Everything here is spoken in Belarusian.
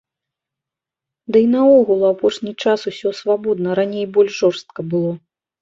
Ды і наогул у апошні час усё свабодна, раней больш жорстка было.